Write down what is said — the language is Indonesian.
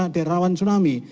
ada rawan tsunami